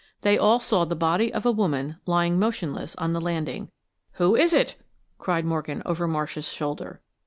They all saw the body of a woman lying motionless on the landing. "Who is it?" cried Morgan, over Marsh's shoulder.